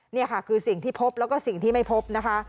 นี่ค่ะคือสิ่งที่พบแล้วก็สิ่งที่ไม่พบนะคะ